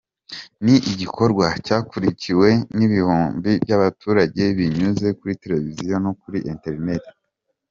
Ni igikorwa cyakurikiwe n’ibihumbi by’abaturage binyuze kuri televiziyo no kuri Internet.